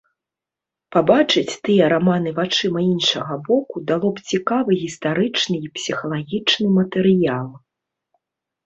Пабачыць тыя раманы вачыма іншага боку дало б цікавы гістарычны і псіхалагічны матэрыял.